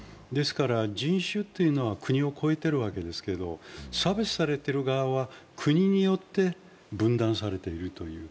人種というのは国を超えているわけですけれども、差別されてる側は、国によって分断されているという。